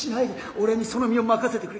俺にその身を任せてくれ。